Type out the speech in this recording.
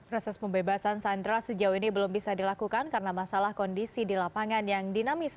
proses pembebasan sandera sejauh ini belum bisa dilakukan karena masalah kondisi di lapangan yang dinamis